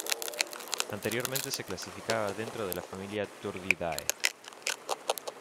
Anteriormente se clasificaba dentro de la familia Turdidae.